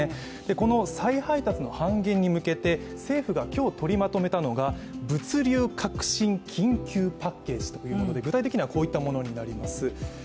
この再配達の半減に向けて政府が今日取りまとめたのが物流革新緊急パッケージというもので具体的にはこういったものになります。